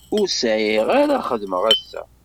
Ur sεiɣ ara xedmeɣ assa.